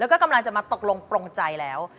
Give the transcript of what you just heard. แล้วก็กำลังจะมาตกลงปลงใจแล้ว